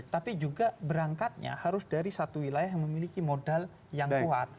tapi juga berangkatnya harus dari satu wilayah yang memiliki modal yang kuat